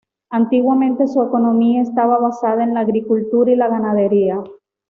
Antiguamente su economía estaba basada en la agricultura y la ganadería.